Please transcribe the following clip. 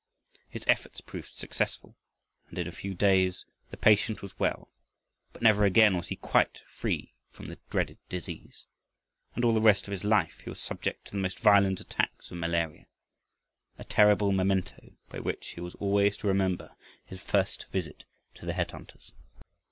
His efforts proved successful, and in a few days the patient was well. But never again was he quite free from the dreaded disease, and all the rest of his life he was subject to the most violent attacks of malaria, a terrible memento by which he was always to remember his first visit to the headhunters.